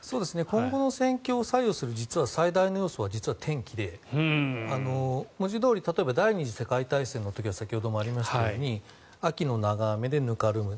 今後の戦況を左右する最大の要素は実は天気で、文字どおり例えば、第２次世界大戦の時は先ほどもありましたように秋の長雨でぬかるむ。